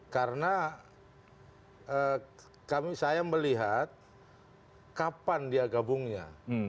karena saya melihat kapan dia gabungnya